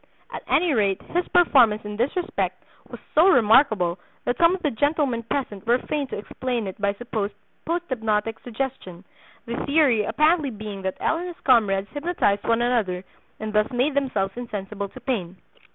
At any rate his performance in this respect was so remarkable that some of the gentlemen present were fain to explain it by supposed 'post hypnotic suggestion,' the theory apparently being that L. and his comrades hypnotized one another, and thus made themselves insensible to pain.